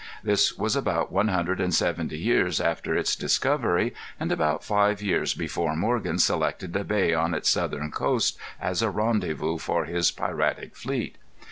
This was about one hundred and seventy years after its discovery, and about five years before Morgan selected a bay on its southern coast as a rendezvous for his piratic fleet.